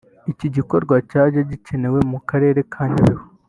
Iki gikorwa cyaje gikenewe mu karere ka Nyabihu